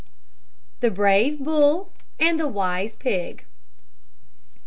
THE BRAVE BULL AND THE WISE PIG.